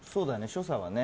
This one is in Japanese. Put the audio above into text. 所作がね。